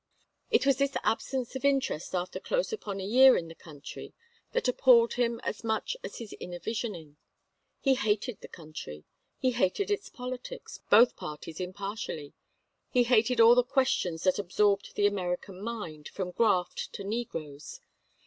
It was this absence of interest after close upon a year in the country that appalled him as much as his inner visioning. He hated the country. He hated its politics, both parties impartially. He hated all the questions that absorbed the American mind, from graft to negroes.